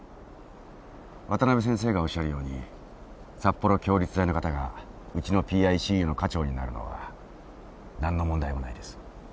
渡辺先生がおっしゃるように札幌共立大の方がうちのＰＩＣＵの科長になるのは何の問題もないです。